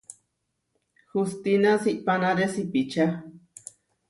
Hustína siʼpanáre sipičá.